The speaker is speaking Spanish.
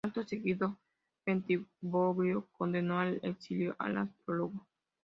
Acto seguido, Bentivoglio condenó al exilio al astrólogo.